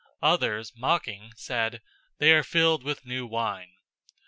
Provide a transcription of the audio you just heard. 002:013 Others, mocking, said, "They are filled with new wine."